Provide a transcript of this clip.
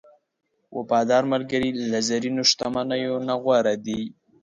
وفادار ملګری له زرینو شتمنیو نه غوره دی.